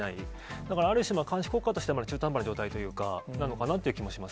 だから、ある種の監視国家としても、中途半端な状態なのかなという気もします。